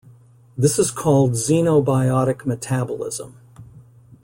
This is called xenobiotic metabolism.